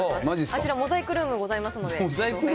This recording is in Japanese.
あちら、モザイクルームがございますので。